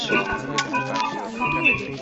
বাগানের ম্যাপটা আমার কাছে দিয়ো।